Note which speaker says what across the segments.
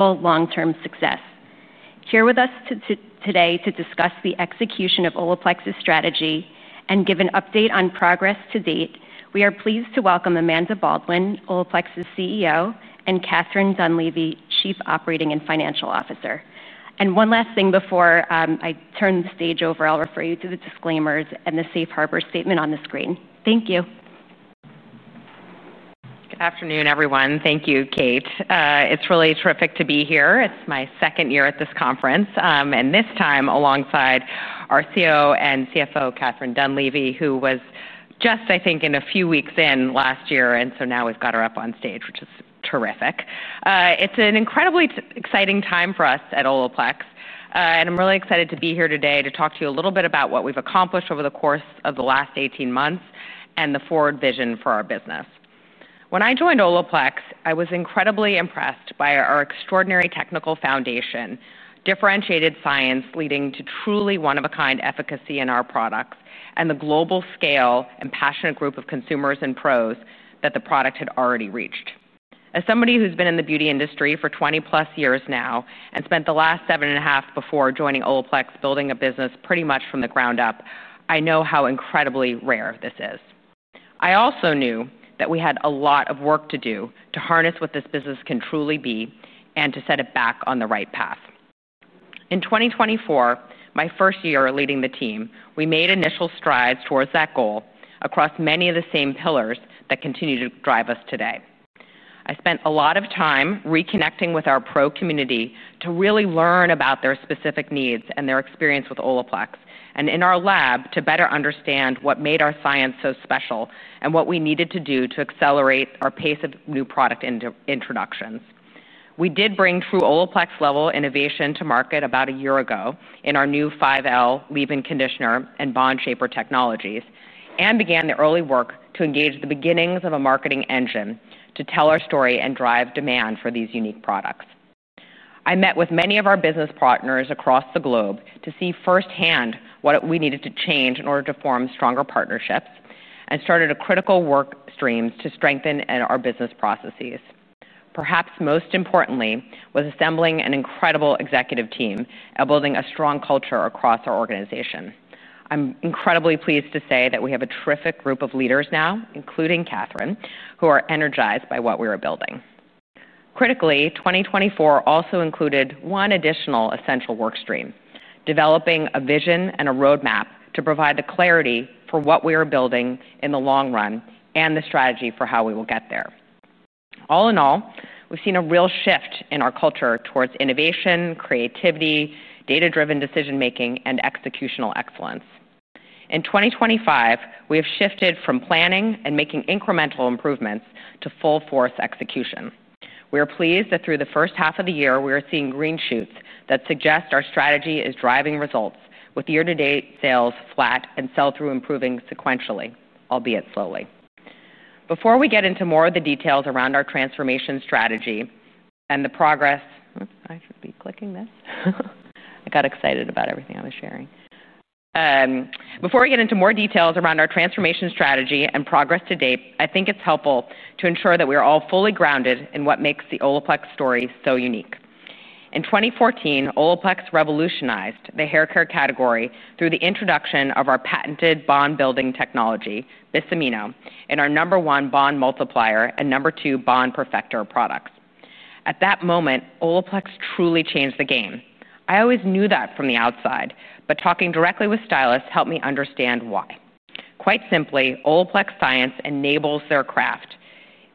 Speaker 1: Long-term success. Here with us today to discuss the execution of Olaplex's strategy and give an update on progress to date, we are pleased to welcome Amanda Baldwin, Olaplex's CEO, and Catherine Dunleavy, Chief Operating and Financial Officer. One last thing before I turn the stage over, I'll refer you to the disclaimers and the Safe Harbor statement on the screen. Thank you.
Speaker 2: Good afternoon, everyone. Thank you, Kate. It's really terrific to be here. It's my second year at this conference, and this time alongside our COO and CFO, Catherine Dunleavy, who was just, I think, a few weeks in last year. Now we've got her up on stage, which is terrific. It's an incredibly exciting time for us at Olaplex, and I'm really excited to be here today to talk to you a little bit about what we've accomplished over the course of the last 18 months and the forward vision for our business. When I joined Olaplex, I was incredibly impressed by our extraordinary technical foundation, differentiated science leading to truly one-of-a-kind efficacy in our products, and the global scale and passionate group of consumers and pros that the product had already reached. As somebody who's been in the beauty industry for 20+ years now and spent the last seven and a half before joining Olaplex building a business pretty much from the ground up, I know how incredibly rare this is. I also knew that we had a lot of work to do to harness what this business can truly be and to set it back on the right path. In 2024, my first year leading the team, we made initial strides towards that goal across many of the same pillars that continue to drive us today. I spent a lot of time reconnecting with our pro community to really learn about their specific needs and their experience with Olaplex, and in our lab to better understand what made our science so special and what we needed to do to accelerate our pace of new product introductions. We did bring true Olaplex-level innovation to market about a year ago in our new 5L Leave-In Conditioner and bond shaper technologies and began the early work to engage the beginnings of a marketing engine to tell our story and drive demand for these unique products. I met with many of our business partners across the globe to see firsthand what we needed to change in order to form stronger partnerships and started critical work streams to strengthen our business processes. Perhaps most importantly was assembling an incredible executive team and building a strong culture across our organization. I'm incredibly pleased to say that we have a terrific group of leaders now, including Catherine, who are energized by what we are building. Critically, 2024 also included one additional essential work stream: developing a vision and a roadmap to provide the clarity for what we are building in the long run and the strategy for how we will get there. All in all, we've seen a real shift in our culture towards innovation, creativity, data-driven decision-making, and executional excellence. In 2025, we have shifted from planning and making incremental improvements to full force execution. We are pleased that through the first half of the year, we are seeing green shoots that suggest our strategy is driving results with year-to-date sales flat and sell-through improving sequentially, albeit slowly. Before we get into more of the details around our transformation strategy and the progress, I should be clicking this. I got excited about everything I was sharing. Before we get into more details around our transformation strategy and progress to date, I think it's helpful to ensure that we are all fully grounded in what makes the Olaplex story so unique. In 2014, Olaplex revolutionized the hair care category through the introduction of our patented Bond-Building Technology, Bis-amino, and our No. 1 Bond Multiplier and No. 2 Bond Perfector products. At that moment, Olaplex truly changed the game. I always knew that from the outside, but talking directly with stylists helped me understand why. Quite simply, Olaplex science enables their craft.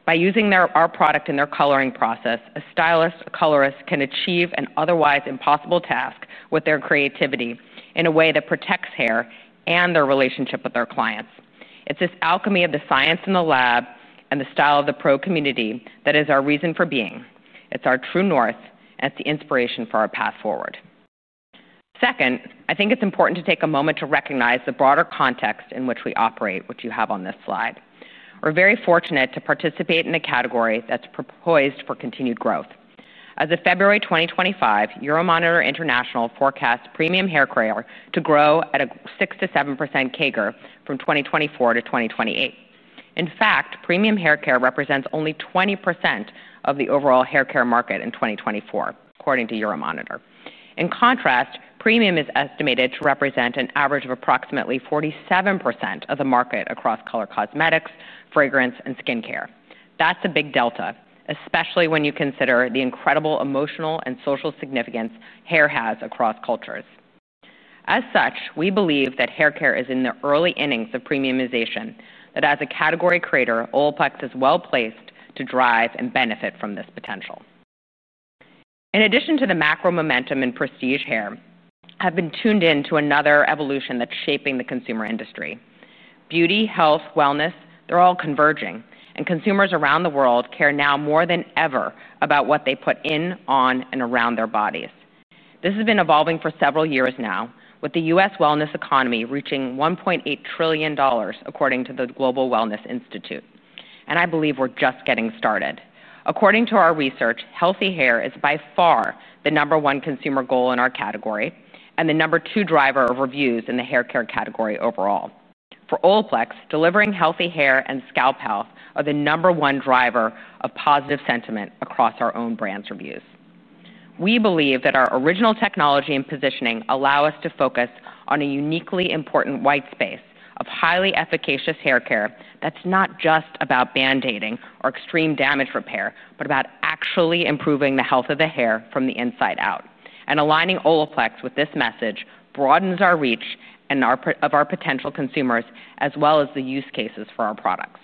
Speaker 2: By using our product in their coloring process, a stylist, a colorist can achieve an otherwise impossible task with their creativity in a way that protects hair and their relationship with their clients. It's this alchemy of the science in the lab and the style of the pro community that is our reason for being. It's our true north, and it's the inspiration for our path forward. I think it's important to take a moment to recognize the broader context in which we operate, which you have on this slide. We're very fortunate to participate in a category that's proposed for continued growth. As of February 2025, Euromonitor International forecasts premium hair care to grow at a 6%-7% CAGR from 2024 to 2028. In fact, premium hair care represents only 20% of the overall hair care market in 2024, according to Euromonitor. In contrast, premium is estimated to represent an average of approximately 47% of the market across color cosmetics, fragrance, and skincare. That's a big delta, especially when you consider the incredible emotional and social significance hair has across cultures. As such, we believe that hair care is in the early innings of premiumization, that as a category creator, Olaplex is well placed to drive and benefit from this potential. In addition to the macro momentum in prestige hair, we have been tuned in to another evolution that's shaping the consumer industry. Beauty, health, wellness, they're all converging, and consumers around the world care now more than ever about what they put in, on, and around their bodies. This has been evolving for several years now, with the U.S. wellness economy reaching $1.8 trillion, according to the Global Wellness Institute. I believe we're just getting started. According to our research, healthy hair is by far the number one consumer goal in our category and the number two driver of reviews in the hair care category overall. For Olaplex, delivering healthy hair and scalp health are the number one driver of positive sentiment across our own brand's reviews. We believe that our original technology and positioning allow us to focus on a uniquely important white space of highly efficacious hair care that's not just about band-aiding or extreme damage repair, but about actually improving the health of the hair from the inside out. Aligning Olaplex with this message broadens our reach of our potential consumers, as well as the use cases for our products.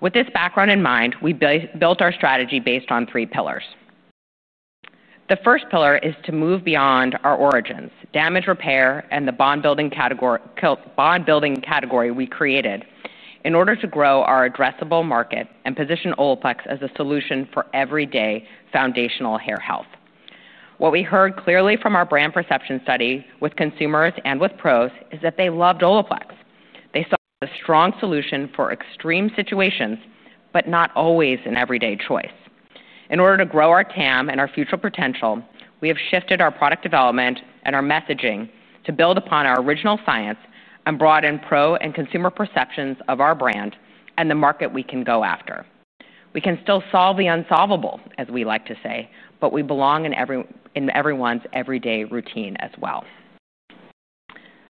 Speaker 2: With this background in mind, we built our strategy based on three pillars. The first pillar is to move beyond our origins, damage repair, and the bond-building category we created in order to grow our addressable market and position Olaplex as a solution for everyday foundational hair health. What we heard clearly from our brand perception study with consumers and with pros is that they loved Olaplex. They saw it as a strong solution for extreme situations, but not always an everyday choice. In order to grow our TAM and our future potential, we have shifted our product development and our messaging to build upon our original science and broaden pro and consumer perceptions of our brand and the market we can go after. We can still solve the unsolvable, as we like to say, but we belong in everyone's everyday routine as well.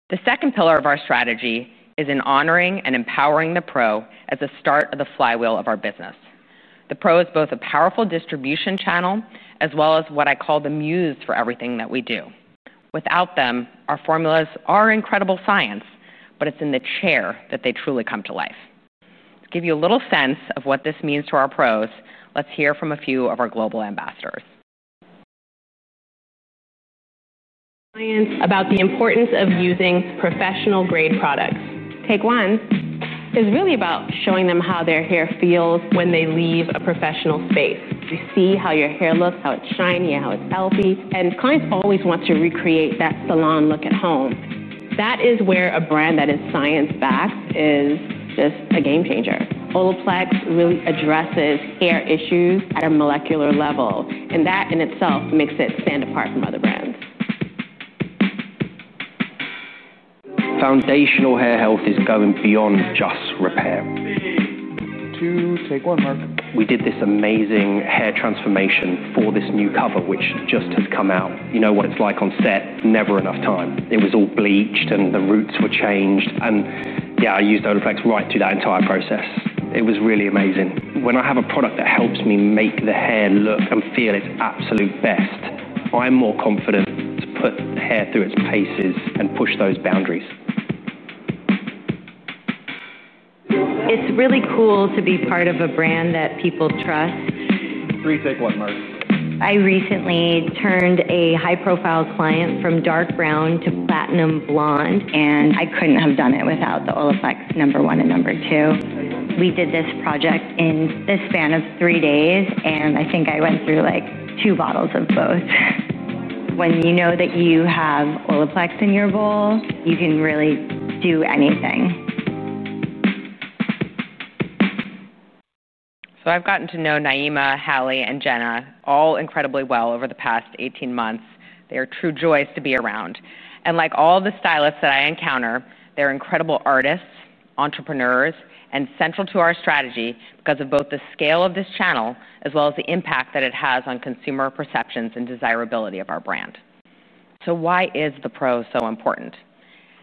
Speaker 2: The second pillar of our strategy is in honoring and empowering the pro as a start of the flywheel of our business. The pro is both a powerful distribution channel, as well as what I call the muse for everything that we do. Without them, our formulas are incredible science, but it's in the chair that they truly come to life. To give you a little sense of what this means to our pros, let's hear from a few of our global ambassadors.
Speaker 3: Science about the importance of using professional-grade products. Take one. It's really about showing them how their hair feels when they leave a professional space. You see how your hair looks, how it's shiny, how it's healthy, and clients always want to recreate that salon look at home. That is where a brand that is science-backed is just a game changer. Olaplex really addresses hair issues at a molecular level, and that in itself makes it stand apart from other brands.
Speaker 4: Foundational hair health is going beyond just repair.
Speaker 5: Two, take one, Mark.
Speaker 4: We did this amazing hair transformation for this new cover, which just has come out. You know what it's like on set, never enough time. It was all bleached and the roots were changed. I used Olaplex right through that entire process. It was really amazing. When I have a product that helps me make the hair look and feel its absolute best, I'm more confident to put the hair through its paces and push those boundaries.
Speaker 3: It's really cool to be part of a brand that people trust.
Speaker 5: Three, take one. Mark.
Speaker 3: I recently turned a high-profile client from dark brown to platinum blonde, and I couldn't have done it without the Olaplex No. 1 Bond Multiplier and No. 2 Bond Perfector. We did this project in the span of three days, and I think I went through like two bottles of both. When you know that you have Olaplex in your bowl, you can really do anything.
Speaker 2: I've gotten to know Naeemah, Halley, and Jenna all incredibly well over the past 18 months. They are true joys to be around. Like all the stylists that I encounter, they're incredible artists, entrepreneurs, and central to our strategy because of both the scale of this channel, as well as the impact that it has on consumer perceptions and desirability of our brand. Why is the pro so important?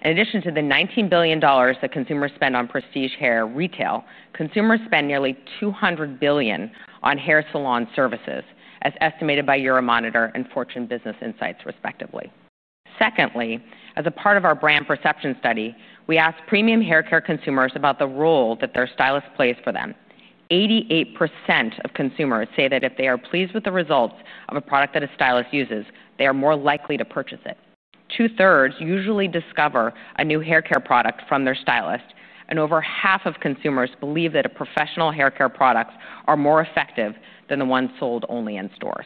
Speaker 2: In addition to the $19 billion that consumers spend on prestige hair retail, consumers spend nearly $200 billion on hair salon services, as estimated by Euromonitor and Fortune Business Insights, respectively. As a part of our brand perception study, we asked premium hair care consumers about the role that their stylist plays for them. 88% of consumers say that if they are pleased with the results of a product that a stylist uses, they are more likely to purchase it. Two-thirds usually discover a new hair care product from their stylist, and over 1/2 of consumers believe that professional hair care products are more effective than the ones sold only in stores.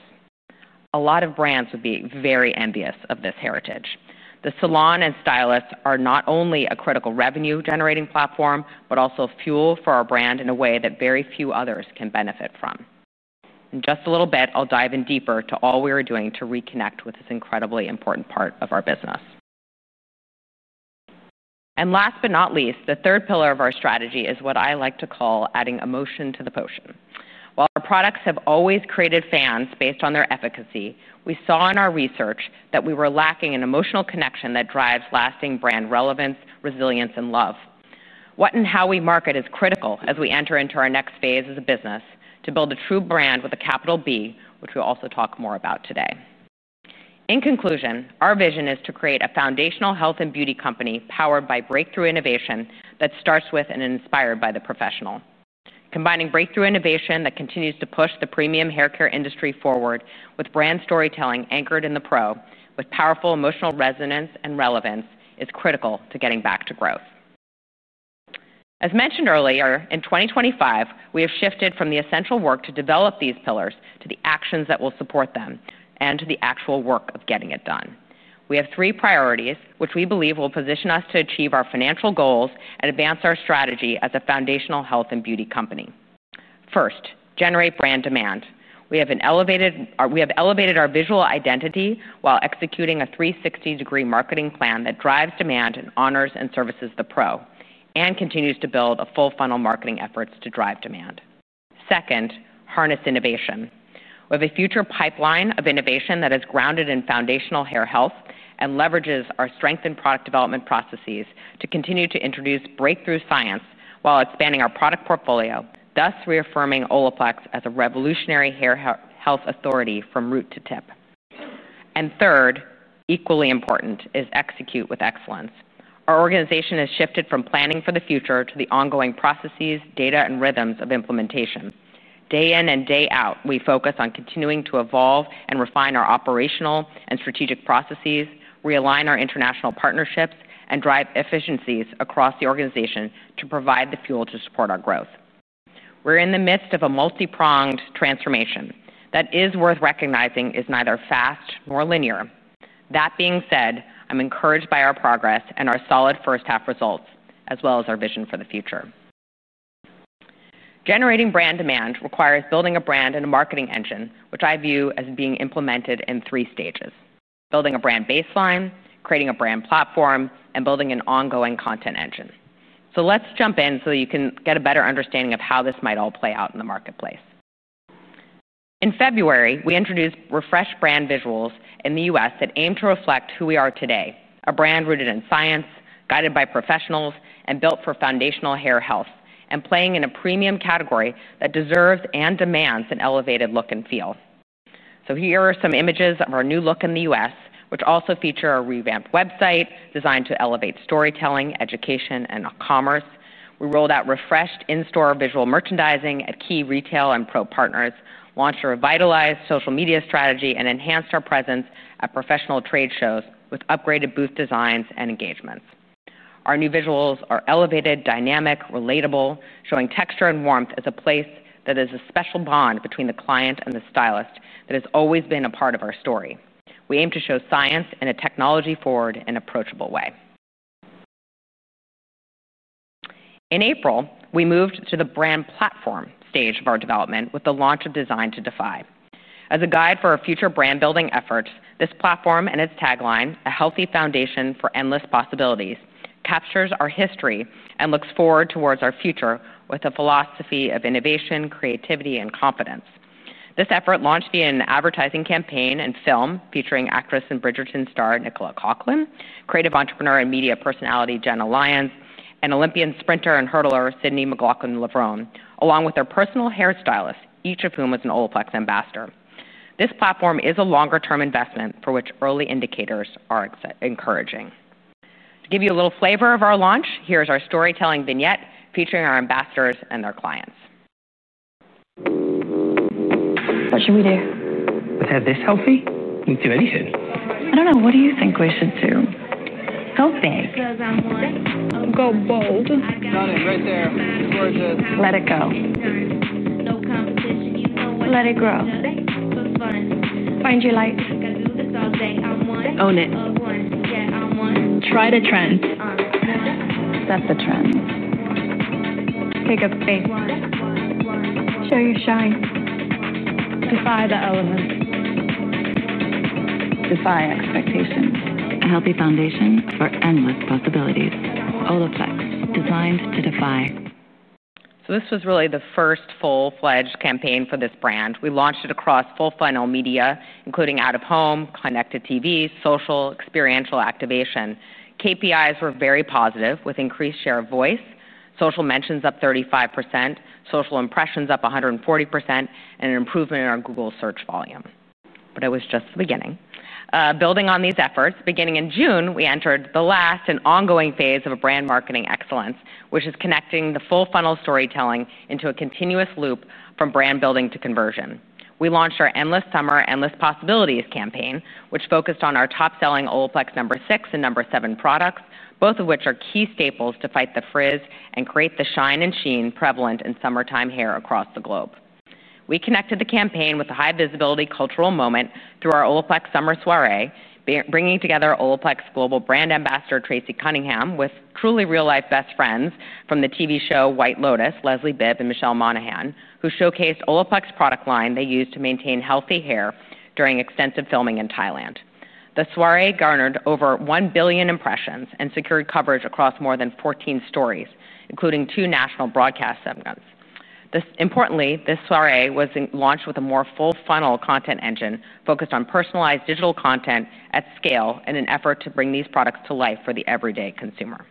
Speaker 2: A lot of brands would be very envious of this heritage. The salon and stylists are not only a critical revenue-generating platform, but also fuel for our brand in a way that very few others can benefit from. In just a little bit, I'll dive in deeper to all we are doing to reconnect with this incredibly important part of our business. Last but not least, the third pillar of our strategy is what I like to call adding emotion to the potion. While our products have always created fans based on their efficacy, we saw in our research that we were lacking an emotional connection that drives lasting brand relevance, resilience, and love. What and how we market is critical as we enter into our next phase as a business to build a true brand with a capital B, which we'll also talk more about today. In conclusion, our vision is to create a foundational health and beauty company powered by breakthrough innovation that starts with and is inspired by the professional. Combining breakthrough innovation that continues to push the premium hair care industry forward with brand storytelling anchored in the pro, with powerful emotional resonance and relevance, is critical to getting back to growth. As mentioned earlier, in 2025, we have shifted from the essential work to develop these pillars to the actions that will support them and to the actual work of getting it done. We have three priorities which we believe will position us to achieve our financial goals and advance our strategy as a foundational health and beauty company. First, generate brand demand. We have elevated our visual identity while executing a 360-degree marketing plan that drives demand and honors and services the pro and continues to build a full funnel marketing effort to drive demand. Second, harness innovation. With a future pipeline of innovation that is grounded in foundational hair health and leverages our strengthened product development processes to continue to introduce breakthrough science while expanding our product portfolio, thus reaffirming Olaplex as a revolutionary hair health authority from root to tip. Third, equally important, is execute with excellence. Our organization has shifted from planning for the future to the ongoing processes, data, and rhythms of implementation. Day in and day out, we focus on continuing to evolve and refine our operational and strategic processes, realign our international partnerships, and drive efficiencies across the organization to provide the fuel to support our growth. We're in the midst of a multipronged transformation. That is worth recognizing is neither fast nor linear. That being said, I'm encouraged by our progress and our solid first-half results, as well as our vision for the future. Generating brand demand requires building a brand and a marketing engine, which I view as being implemented in three stages: building a brand baseline, creating a brand platform, and building an ongoing content engine. Let's jump in so that you can get a better understanding of how this might all play out in the marketplace. In February, we introduced refreshed brand visuals in the U.S. that aim to reflect who we are today, a brand rooted in science, guided by professionals, and built for foundational hair health, and playing in a premium category that deserves and demands an elevated look and feel. Here are some images of our new look in the U.S., which also feature a revamped website designed to elevate storytelling, education, and e-commerce. We rolled out refreshed in-store visual merchandising at key retail and pro partners, launched a revitalized social media strategy, and enhanced our presence at professional trade shows with upgraded booth designs and engagements. Our new visuals are elevated, dynamic, relatable, showing texture and warmth as a place that is a special bond between the client and the stylist that has always been a part of our story. We aim to show science and a technology forward in an approachable way. In April, we moved to the brand platform stage of our development with the launch of Design to Defy. As a guide for our future brand-building efforts, this platform and its tagline, "A Healthy Foundation for Endless Possibilities," captures our history and looks forward towards our future with a philosophy of innovation, creativity, and competence. This effort launched via an advertising campaign and film featuring actress and Bridgerton star Nicola Coughlan, creative entrepreneur and media personality Jenna Lyons, and Olympian sprinter and hurdler Sydney Michelle McLaughlin-Levrone, along with their personal hair stylist, each of whom was an Olaplex ambassador. This platform is a longer-term investment for which early indicators are encouraging. To give you a little flavor of our launch, here's our storytelling vignette featuring our ambassadors and their clients.
Speaker 6: Social media.
Speaker 4: Let's have this healthy. You too, Edison.
Speaker 3: I don't know. What do you think we should do? Go big.
Speaker 6: Go bold. Got it right there. That's gorgeous. Let it go. Let it grow. Find your light. Own it. Yeah, I'm one. Try to trend.
Speaker 3: Stop the trend.
Speaker 6: Take a big one. Show your shine. Defy the element.
Speaker 3: Defy expectation. A healthy foundation for endless possibilities. Olaplex, designed to defy.
Speaker 2: This was really the first full-fledged campaign for this brand. We launched it across full funnel media, including out-of-home, connected TV, social, and experiential activation. KPIs were very positive, with increased share of voice, social mentions up 35%, social impressions up 140%, and an improvement in our Google search volume. It was just the beginning. Building on these efforts, beginning in June, we entered the last and ongoing phase of brand marketing excellence, which is connecting the full funnel storytelling into a continuous loop from brand building to conversion. We launched our Endless Summer, Endless Possibilities campaign, which focused on our top-selling Olaplex No. 6 and No. 7 products, both of which are key staples to fight the frizz and create the shine and sheen prevalent in summertime hair across the globe. We connected the campaign with a high-visibility cultural moment through our Olaplex Summer Soirée, bringing together Olaplex global brand ambassador Tracey Cunningham with truly real-life best friends from the TV show White Lotus, Leslie Bibb and Michelle Monaghan, who showcased the Olaplex product line they used to maintain healthy hair during extensive filming in Thailand. The Soirée garnered over 1 billion impressions and secured coverage across more than 14 stories, including two national broadcast segments. Importantly, this Soirée was launched with a more full funnel content engine focused on personalized digital content at scale in an effort to bring these products to life for the everyday consumer.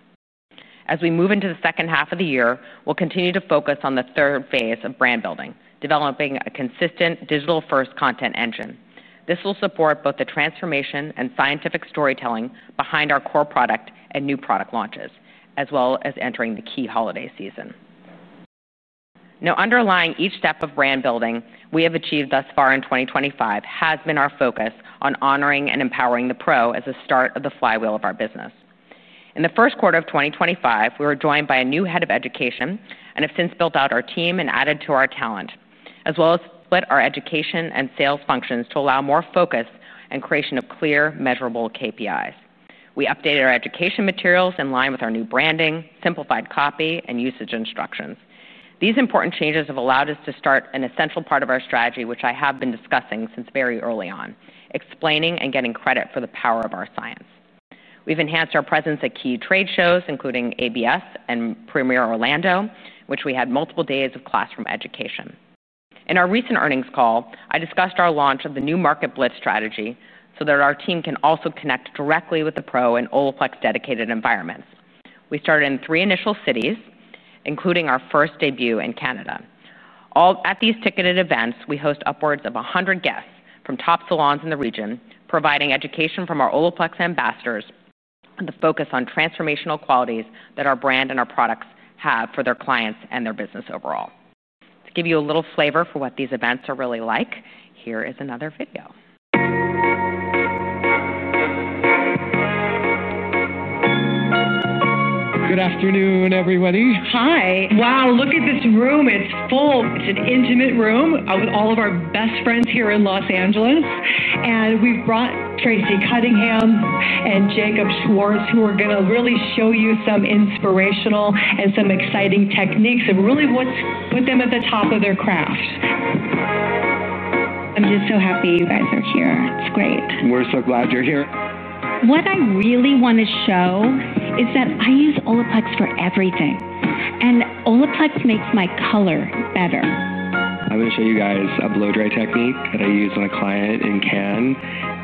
Speaker 2: As we move into the second half of the year, we'll continue to focus on the third phase of brand building, developing a consistent digital-first content engine. This will support both the transformation and scientific storytelling behind our core product and new product launches, as well as entering the key holiday season. Underlying each step of brand building we have achieved thus far in 2025 has been our focus on honoring and empowering the pro as a start of the flywheel of our business. In the first quarter of 2025, we were joined by a new Head of Education and have since built out our team and added to our talent, as well as split our education and sales functions to allow more focus and creation of clear, measurable KPIs. We updated our education materials in line with our new branding, simplified copy, and usage instructions. These important changes have allowed us to start an essential part of our strategy, which I have been discussing since very early on, explaining and getting credit for the power of our science. We've enhanced our presence at key trade shows, including ABS and Premiere Orlando, where we had multiple days of classroom education. In our recent earnings call, I discussed our launch of the new market blitz strategy so that our team can also connect directly with the pro in Olaplex-dedicated environments. We started in three initial cities, including our first debut in Canada. At these ticketed events, we host upwards of 100 guests from top salons in the region, providing education from our Olaplex ambassadors and the focus on transformational qualities that our brand and our products have for their clients and their business overall. To give you a little flavor for what these events are really like, here is another video.
Speaker 4: Good afternoon, everybody.
Speaker 6: Hi. Wow, look at this room. It's full. It's an intimate room with all of our best friends here in Los Angeles. We've brought Tracey Cunningham and Jacob Schwartz, who are going to really show you some inspirational and some exciting techniques and really put them at the top of their craft.
Speaker 3: I'm just so happy you guys are here. It's great.
Speaker 4: We're so glad you're here.
Speaker 3: What I really want to show is that I use Olaplex for everything. Olaplex makes my color better.
Speaker 4: I'm going to show you guys a blow-dry technique that I use on a client in Cannes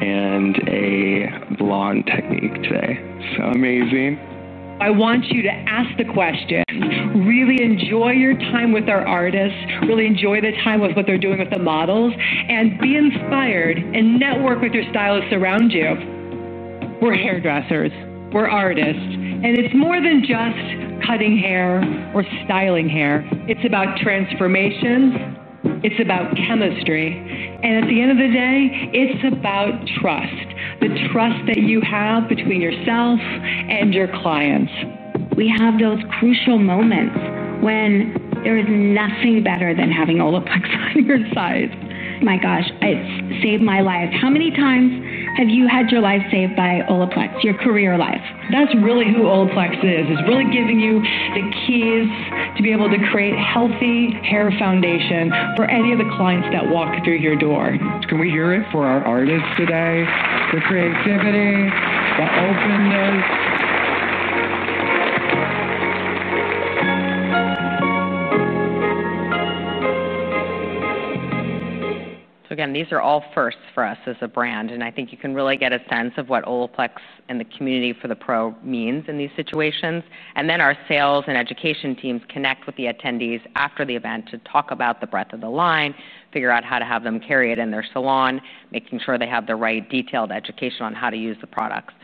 Speaker 4: and a blonde technique today. So amazing.
Speaker 6: I want you to ask the questions, really enjoy your time with our artists, really enjoy the time with what they're doing with the models, and be inspired and network with your stylists around you. We're hairdressers. We're artists. It's more than just cutting hair or styling hair. It's about transformations. It's about chemistry. At the end of the day, it's about trust, the trust that you have between yourself and your clients. We have those crucial moments when there is nothing better than having Olaplex on your side. My gosh, it's saved my life. How many times have you had your life saved by Olaplex, your career life? That's really who Olaplex is. It's really giving you the keys to be able to create a healthy hair foundation for any of the clients that walk through your door.
Speaker 4: Can we hear it for our artists today? For creativity, for openness.
Speaker 2: These are all firsts for us as a brand. I think you can really get a sense of what Olaplex and the community for the pro means in these situations. Our sales and education teams connect with the attendees after the event to talk about the breadth of the line, figure out how to have them carry it in their salon, making sure they have the right detailed education on how to use the products.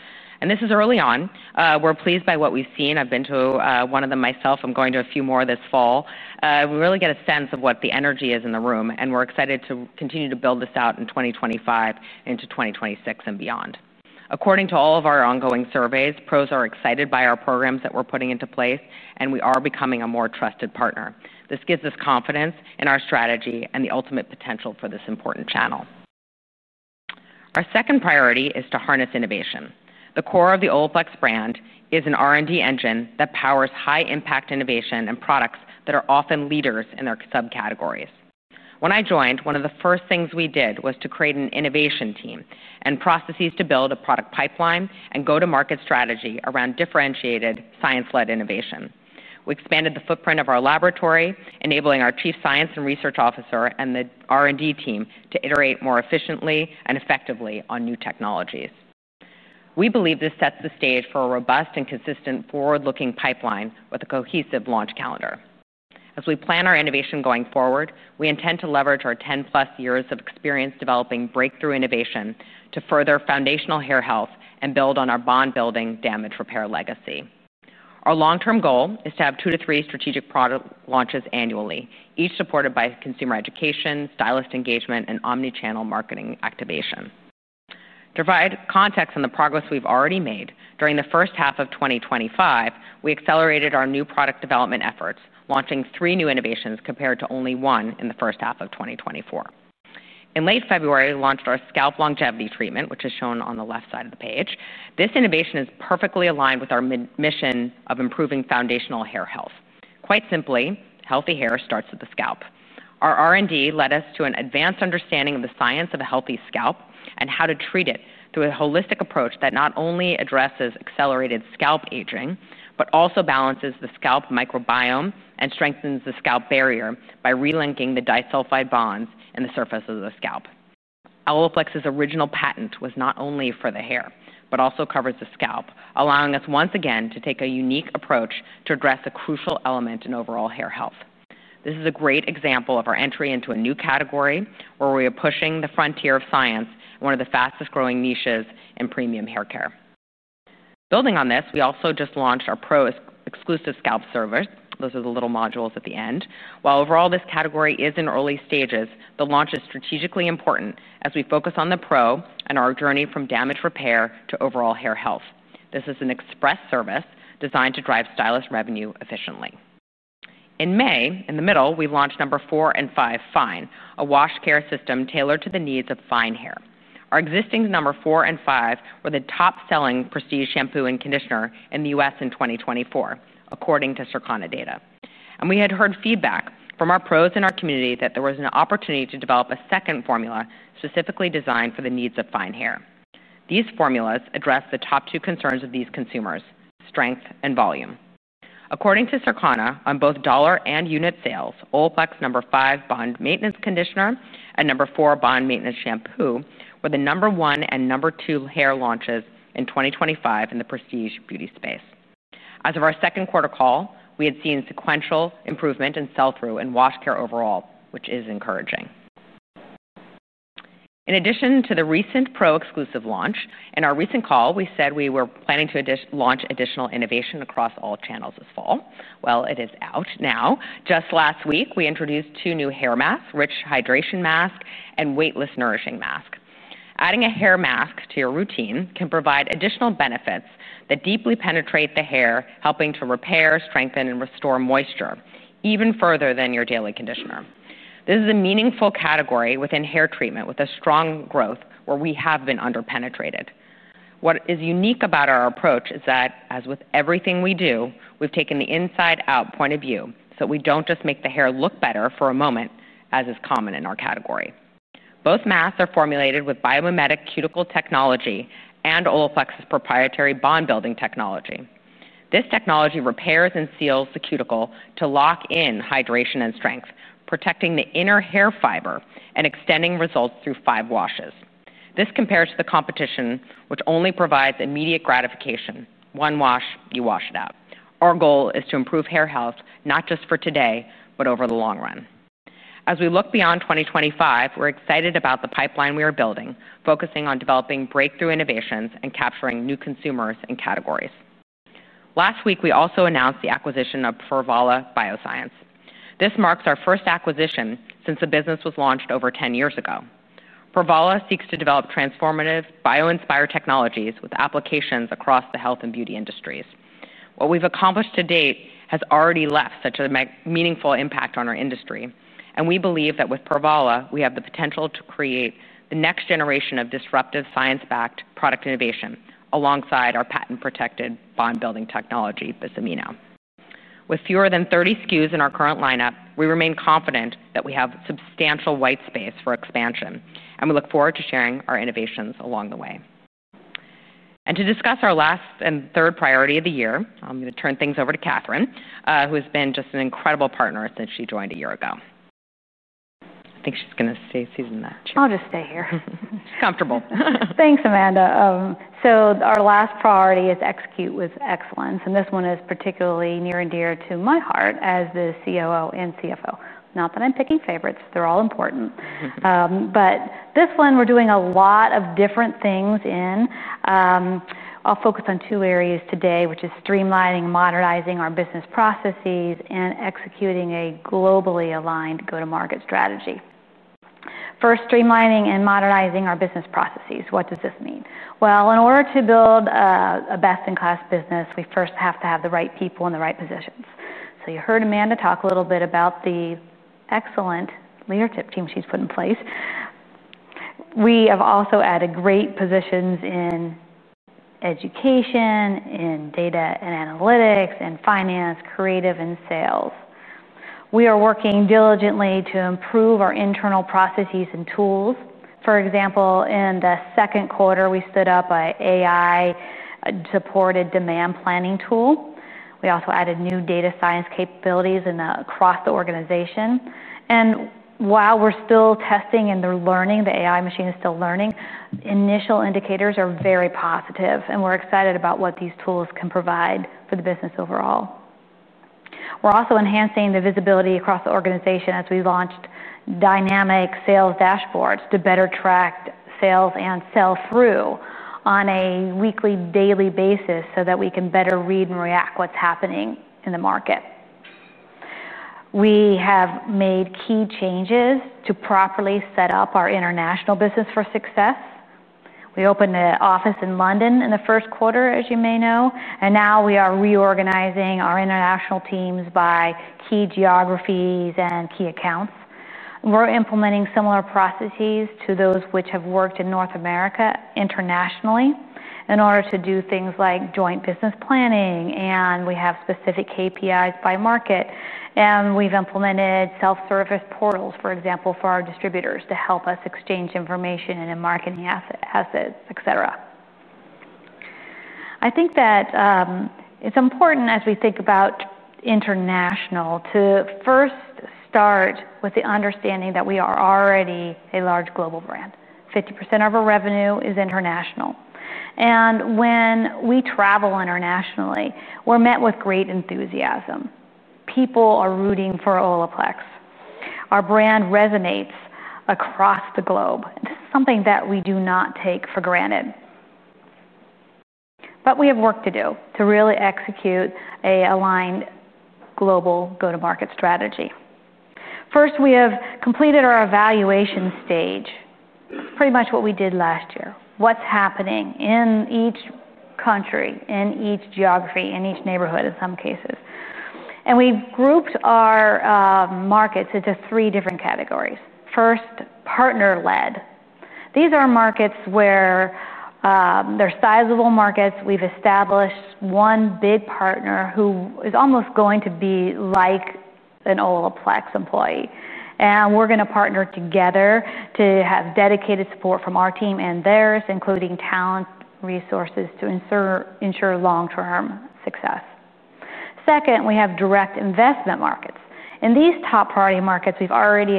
Speaker 2: This is early on. We're pleased by what we've seen. I've been to one of them myself. I'm going to a few more this fall. We really get a sense of what the energy is in the room. We're excited to continue to build this out in 2025 into 2026 and beyond. According to all of our ongoing surveys, pros are excited by our programs that we're putting into place, and we are becoming a more trusted partner. This gives us confidence in our strategy and the ultimate potential for this important channel. Our second priority is to harness innovation. The core of the Olaplex brand is an R&D engine that powers high-impact innovation and products that are often leaders in their subcategories. When I joined, one of the first things we did was to create an innovation team and processes to build a product pipeline and go-to-market strategy around differentiated science-led innovation. We expanded the footprint of our laboratory, enabling our Chief Science and Research Officer and the R&D team to iterate more efficiently and effectively on new technologies. We believe this sets the stage for a robust and consistent forward-looking pipeline with a cohesive launch calendar. As we plan our innovation going forward, we intend to leverage our 10+ years of experience developing breakthrough innovation to further foundational hair health and build on our bond-building damage repair legacy. Our long-term goal is to have two to three strategic product launches annually, each supported by consumer education, stylist engagement, and omnichannel marketing activation. To provide context on the progress we've already made, during the first half of 2025, we accelerated our new product development efforts, launching three new innovations compared to only one in the first half of 2024. In late February, we launched our Scalp Longevity Treatment, which is shown on the left side of the page. This innovation is perfectly aligned with our mission of improving foundational hair health. Quite simply, healthy hair starts at the scalp. Our R&D led us to an advanced understanding of the science of a healthy scalp and how to treat it through a holistic approach that not only addresses accelerated scalp aging, but also balances the scalp microbiome and strengthens the scalp barrier by relinking the disulfide bonds in the surface of the scalp. Olaplex's original patent was not only for the hair, but also covers the scalp, allowing us once again to take a unique approach to address a crucial element in overall hair health. This is a great example of our entry into a new category where we are pushing the frontier of science in one of the fastest growing niches in premium hair care. Building on this, we also just launched our pro exclusive scalp servers. Those are the little modules at the end. While overall this category is in early stages, the launch is strategically important as we focus on the pro and our journey from damage repair to overall hair health. This is an express service designed to drive stylist revenue efficiently. In May, in the middle, we launched No. 4 and No. 5 Fine, a wash care system tailored to the needs of fine hair. Our existing No. 4 and No. 5 were the top-selling prestige shampoo and conditioner in the U.S. in 2024, according to Circana data. We had heard feedback from our pros in our community that there was an opportunity to develop a second formula specifically designed for the needs of fine hair. These formulas address the top two concerns of these consumers: strength and volume. According to Circana, on both dollar and unit sales, Olaplex No. 5 Bond Maintenance Conditioner and No. 4 Bond Maintenance Shampoo were the number one and number two hair launches in 2025 in the prestige beauty space. As of our second quarter call, we had seen sequential improvement in sell-through and wash care overall, which is encouraging. In addition to the recent pro exclusive launch, in our recent call, we said we were planning to launch additional innovation across all channels this fall. It is out now. Just last week, we introduced two new hair masks, Rich Hydration Mask and Weightless Nourishing Mask. Adding a hair mask to your routine can provide additional benefits that deeply penetrate the hair, helping to repair, strengthen, and restore moisture even further than your daily conditioner. This is a meaningful category within hair treatment with a strong growth where we have been underpenetrated. What is unique about our approach is that, as with everything we do, we've taken the inside-out point of view so that we don't just make the hair look better for a moment, as is common in our category. Both masks are formulated with biomimetic cuticle technology and Olaplex's proprietary bond-building technology. This technology repairs and seals the cuticle to lock in hydration and strength, protecting the inner hair fiber and extending results through five washes. This compares to the competition, which only provides immediate gratification. One wash, you wash it out. Our goal is to improve hair health not just for today, but over the long run. As we look beyond 2025, we're excited about the pipeline we are building, focusing on developing breakthrough innovations and capturing new consumers and categories. Last week, we also announced the acquisition of Provala Bioscience. This marks our first acquisition since the business was launched over 10 years ago. Provala seeks to develop transformative bio-inspired technologies with applications across the health and beauty industries. What we've accomplished to date has already left such a meaningful impact on our industry. We believe that with Provala, we have the potential to create the next generation of disruptive science-backed product innovation alongside our patent-protected Bond-Building Technology, Bis-Amino. With fewer than 30 SKUs in our current lineup, we remain confident that we have substantial white space for expansion. We look forward to sharing our innovations along the way. To discuss our last and third priority of the year, I'm going to turn things over to Catherine, who has been just an incredible partner since she joined a year ago. I think she's going to stay seated in the chair.
Speaker 7: I'll just stay here.
Speaker 2: She's comfortable.
Speaker 7: Thanks, Amanda. Our last priority is execute with excellence. This one is particularly near and dear to my heart as the COO and CFO. Not that I'm picking favorites. They're all important. This one, we're doing a lot of different things in. I'll focus on two areas today, which are streamlining, modernizing our business processes, and executing a globally aligned go-to-market strategy. First, streamlining and modernizing our business processes. What does this mean? In order to build a best-in-class business, we first have to have the right people in the right positions. You heard Amanda talk a little bit about the excellent leadership team she's put in place. We have also added great positions in education, in data and analytics, in finance, creative, and sales. We are working diligently to improve our internal processes and tools. For example, in the second quarter, we stood up an AI-supported demand planning tool. We also added new data science capabilities across the organization. While we're still testing and learning, the AI machine is still learning, initial indicators are very positive. We're excited about what these tools can provide for the business overall. We're also enhancing the visibility across the organization as we launched dynamic sales dashboards to better track sales and sell-through on a weekly, daily basis so that we can better read and react to what's happening in the market. We have made key changes to properly set up our international business for success. We opened an office in London in the first quarter, as you may know. Now we are reorganizing our international teams by key geographies and key accounts. We're implementing similar processes to those which have worked in North America internationally in order to do things like joint business planning. We have specific KPIs by market. We've implemented self-service portals, for example, for our distributors to help us exchange information and marketing assets, etc. I think that it's important as we think about international to first start with the understanding that we are already a large global brand. 50% of our revenue is international. When we travel internationally, we're met with great enthusiasm. People are rooting for Olaplex. Our brand resonates across the globe. This is something that we do not take for granted. We have work to do to really execute an aligned global go-to-market strategy. First, we have completed our evaluation stage, pretty much what we did last year. What's happening in each country, in each geography, in each neighborhood in some cases? We've grouped our markets into three different categories. First, partner-led. These are markets where they're sizable markets. We've established one big partner who is almost going to be like an Olaplex employee. We're going to partner together to have dedicated support from our team and theirs, including talent resources to ensure long-term success. Second, we have direct investment markets. In these top-priority markets, we already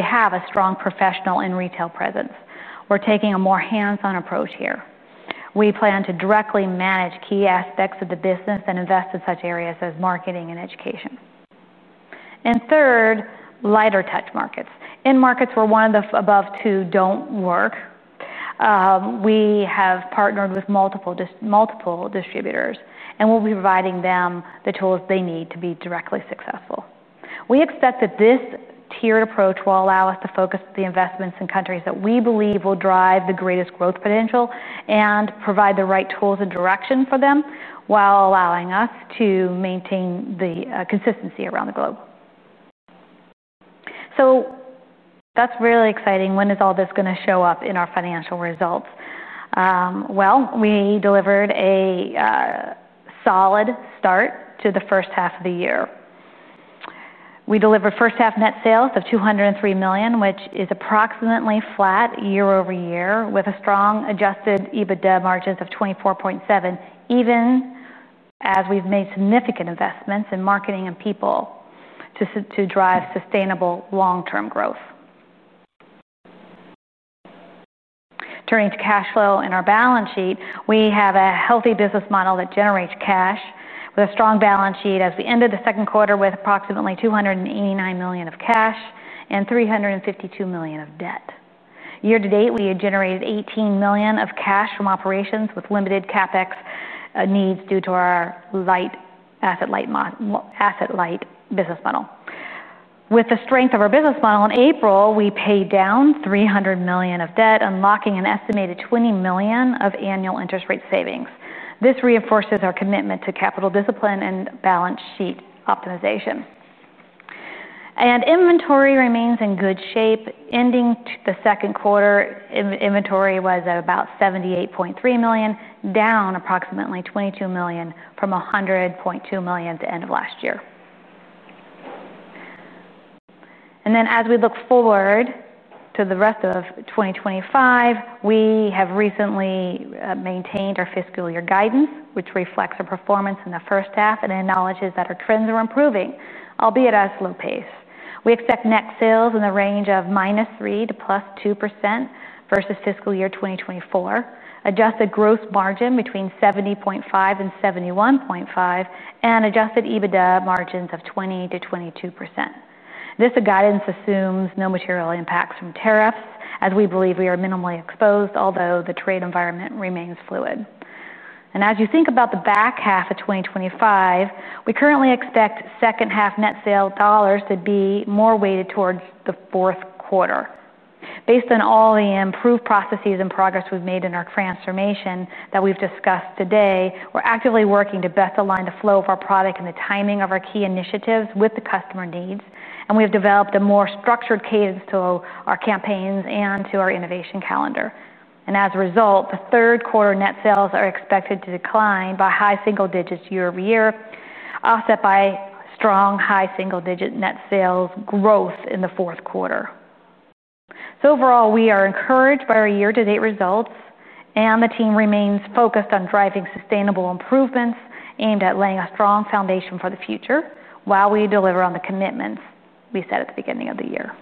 Speaker 7: have a strong professional and retail presence. We're taking a more hands-on approach here. We plan to directly manage key aspects of the business and invest in such areas as marketing and education. Third, lighter touch markets. In markets where one of the above two don't work, we have partnered with multiple distributors and will be providing them the tools they need to be directly successful. We expect that this tiered approach will allow us to focus the investments in countries that we believe will drive the greatest growth potential and provide the right tools and direction for them while allowing us to maintain the consistency around the globe. That's really exciting. When is all this going to show up in our financial results? We delivered a solid start to the first half of the year. We delivered first-half net sales of $203 million, which is approximately flat year-over-year with a strong adjusted EBITDA margin of 24.7%, even as we've made significant investments in marketing and people to drive sustainable long-term growth. Turning to cash flow and our balance sheet, we have a healthy business model that generates cash with a strong balance sheet as we ended the second quarter with approximately $289 million of cash and $352 million of debt. Year to date, we have generated $18 million of cash from operations with limited CapEx needs due to our asset-light business model. With the strength of our business model in April, we paid down $300 million of debt, unlocking an estimated $20 million of annual interest rate savings. This reinforces our commitment to capital discipline and balance sheet optimization. Inventory remains in good shape. Ending the second quarter, inventory was at about $78.3 million, down approximately $22 million from $100.2 million at the end of last year. As we look forward to the rest of 2025, we have recently maintained our fiscal year guidance, which reflects our performance in the first half and acknowledges that our trends are improving, albeit at a slow pace. We expect net sales in the range of -3% to +2% versus fiscal year 2024, adjusted gross margin between 70.5% and 71.5%, and adjusted EBITDA margins of 20%-22%. This guidance assumes no material impacts from tariffs, as we believe we are minimally exposed, although the trade environment remains fluid. As you think about the back half of 2025, we currently expect second half net sales dollars to be more weighted towards the fourth quarter. Based on all the improved processes and progress we've made in our transformation that we've discussed today, we're actively working to best align the flow of our product and the timing of our key initiatives with the customer needs. We have developed a more structured cadence to our campaigns and to our innovation calendar. As a result, the third quarter net sales are expected to decline by high single digits year-over-year, offset by strong high single-digit net sales growth in the fourth quarter. Overall, we are encouraged by our year-to-date results, and the team remains focused on driving sustainable improvements aimed at laying a strong foundation for the future while we deliver on the commitments we set at the beginning of the year.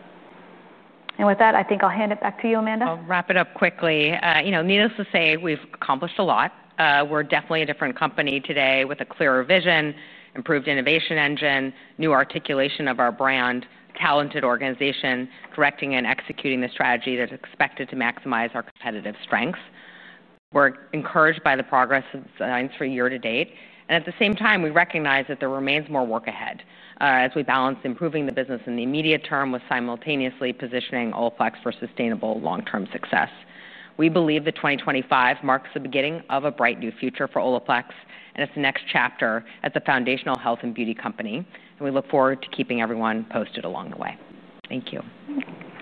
Speaker 7: With that, I think I'll hand it back to you, Amanda.
Speaker 2: I'll wrap it up quickly. Needless to say, we've accomplished a lot. We're definitely a different company today with a clearer vision, improved innovation engine, new articulation of our brand, talented organization, directing and executing the strategy that's expected to maximize our competitive strengths. We're encouraged by the progress of the science for year-to-date. At the same time, we recognize that there remains more work ahead as we balance improving the business in the immediate term with simultaneously positioning Olaplex for sustainable long-term success. We believe that 2025 marks the beginning of a bright new future for Olaplex, and it's the next chapter at the foundational health and beauty company. We look forward to keeping everyone posted along the way. Thank you.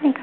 Speaker 7: Thanks.